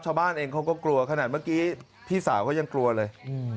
ชาวบ้านเองเขาก็กลัวขนาดเมื่อกี้พี่สาวเขายังกลัวเลย